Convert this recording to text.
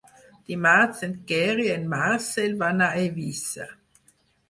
Dimarts en Quer i en Marcel van a Eivissa.